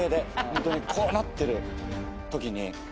ホントにこうなってるときに。